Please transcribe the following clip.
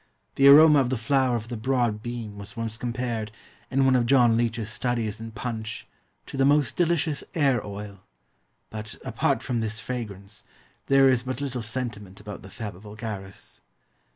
The aroma of the flower of the broad bean was once compared, in one of John Leech's studies in Punch, to "the most delicious 'air oil," but, apart from this fragrance, there is but little sentiment about the Faba vulgaris.